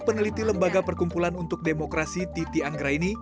peneliti lembaga perkumpulan untuk demokrasi titi anggra ini